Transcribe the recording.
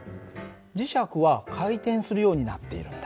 磁石は回転するようになっているんだ。